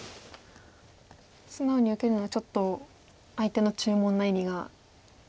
素直に受けるのはちょっと相手の注文な意味がありますか。